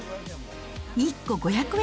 １個５００円